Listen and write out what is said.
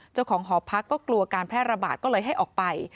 เจ้าของหอพักก็กลัวการแพร่ระบาดก็เลยให้ออกไป